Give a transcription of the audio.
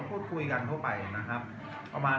แต่ว่าเมืองนี้ก็ไม่เหมือนกับเมืองอื่น